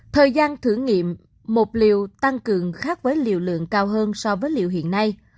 thời gian thử nghiệm một liệu tăng cường khác với liệu lượng cao hơn so với liệu hiện nay